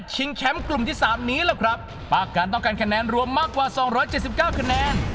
แชมป์กลุ่มที่สามนี้แหละครับป้ากันต้องการคะแนนรวมมากกว่าสองร้อยเจ็ดสิบเก้าคะแนน